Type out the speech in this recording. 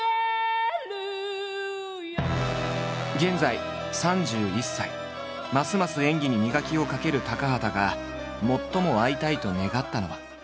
現在３１歳ますます演技に磨きをかける高畑が最も会いたいと願ったのは。